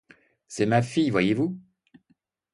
C'est ma fille, voyez-vous?